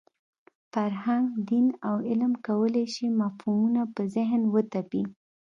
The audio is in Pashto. فرهنګ، دین او علم کولای شي مفهومونه په ذهن وتپي.